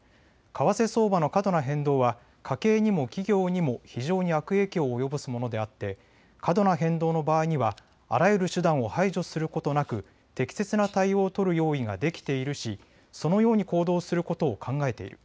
為替相場の過度な変動は家計にも企業にも非常に悪影響を及ぼすものであって過度な変動の場合にはあらゆる手段を排除することなく適切な対応を取る用意ができているし、そのように行動することを考えている。